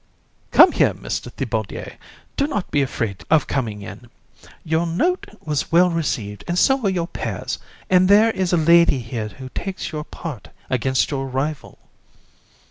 COUN. Come here, Mr. Thibaudier; do not be afraid of coming in. Your note was well received, and so were your pears; and there is a lady here who takes your part against your rival.